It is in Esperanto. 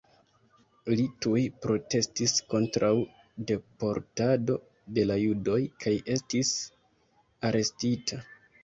Li tuj protestis kontraŭ deportado de la judoj kaj estis arestita.